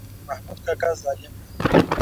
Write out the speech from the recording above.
محمود کاکا ظالم دی.